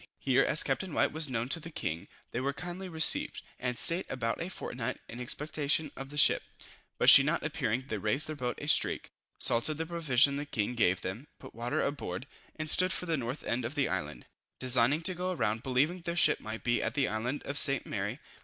Here as Captain White was known to the king, they were kindly received, and staid about a fortnight in expectation of the ship, but she not appearing they raised their boat a streak, salted the provision the king gave them, put water aboard, and stood for the north end of the island, designing to go round, believing their ship might be at the island of St. Mary.